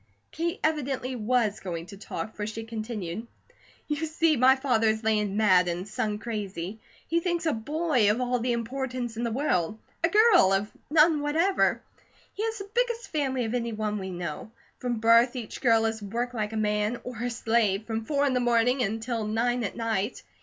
Kate evidently was going to talk, for she continued: "You see my father is land mad, and son crazy. He thinks a BOY of all the importance in the world; a GIRL of none whatever. He has the biggest family of any one we know. From birth each girl is worked like a man, or a slave, from four in the morning until nine at night.